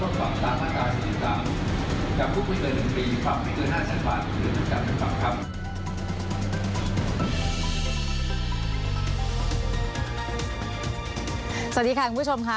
สวัสดีค่ะคุณผู้ชมค่ะ